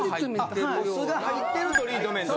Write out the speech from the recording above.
お酢が入ってるトリートメント。